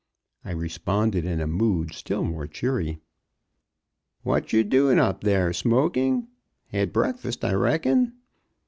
I responded in a mood still more cheery. "What you doin' up there smoking? Had breakfast, I reckon."